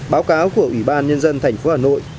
báo cáo của ủy ban nhân dân thành phố hà nội